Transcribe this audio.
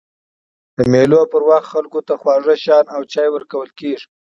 د مېلو پر وخت خلکو ته خواږه شيان او چای ورکول کېږي.